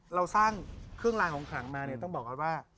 เราสร้างเครื่องรางของขลังมาเนี่ยต้องบอกก่อนว่า